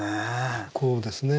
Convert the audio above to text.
こうですね。